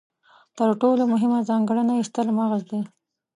تر ټولو مهمه ځانګړنه یې ستر مغز دی.